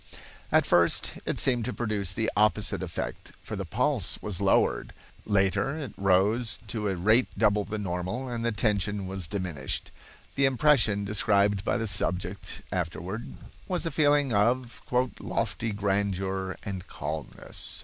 At first it seemed to produce the opposite effect, for the pulse was lowered. Later it rose to a rate double the normal, and the tension was diminished. The impression described by the subject afterward was a feeling of "lofty grandeur and calmness."